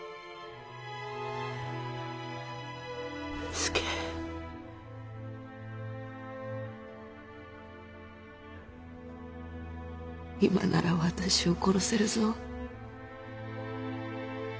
佐今なら私を殺せるぞ？